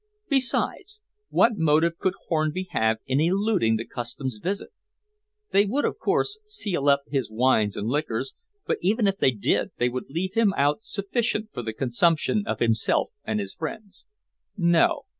Besides, what motive could Hornby have in eluding the Customs visit? They would, of course, seal up his wines and liquors, but even if they did, they would leave him out sufficient for the consumption of himself and his friends. No.